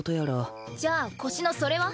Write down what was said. じゃあ腰のそれは？